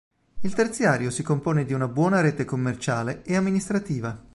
Il terziario si compone di una buona rete commerciale e amministrativa.